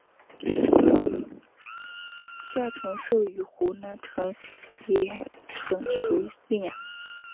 夏承焘与胡兰成也很熟稔。